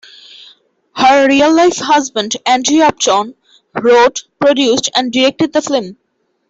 Her real-life husband Andrew Upton wrote, produced, and directed the film.